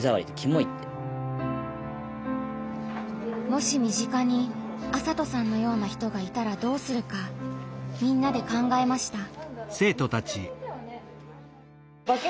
もし身近に麻斗さんのような人がいたらどうするかみんなで考えました。